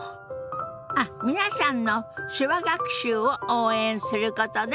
あっ皆さんの手話学習を応援することです！